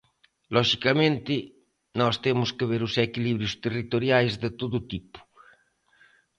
Loxicamente, nós temos que ver os equilibrios territoriais de todo tipo.